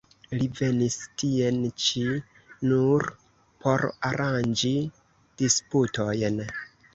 Li venis tien ĉi nur por aranĝi disputojn.